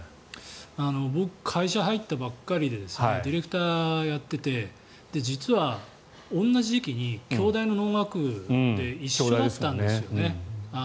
僕会社に入ったばっかりでディレクターをやっていて実は、同じ時期に京大の農学部で一緒だったんですよね。